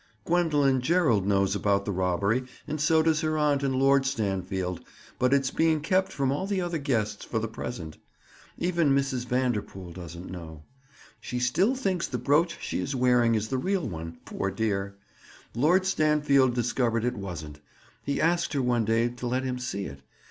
Gwendoline Gerald knows about the robbery and so does her aunt and Lord Stanfield, but it's being kept from all the other guests for the present. Even Mrs. Vanderpool doesn't know. She still thinks the brooch she is wearing is the real one, poor dear! Lord Stanfield discovered it wasn't. He asked her one day to let him see it.